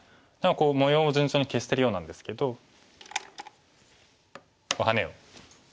模様を順調に消してるようなんですけどハネを利かしまして。